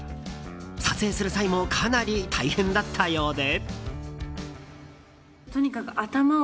撮影する際もかなり大変だったようで。